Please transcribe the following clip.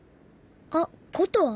あっ「こと」は？